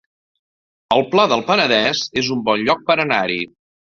El Pla del Penedès es un bon lloc per anar-hi